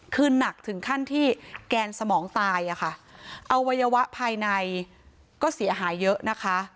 คือหนักถึงขั้นที่แกนสมองตายอะค่ะอวัยวะภายในก็เสียหายเยอะนะคะ